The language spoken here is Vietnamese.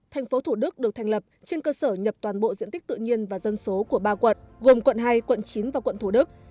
thành phố thủ đức được thành lập trên cơ sở nhập toàn bộ diện tích tự nhiên và dân số của ba quận gồm quận hai quận chín và quận thủ đức